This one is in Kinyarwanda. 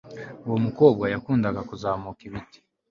uwo mukobwa yakundaga kuzamuka ibiti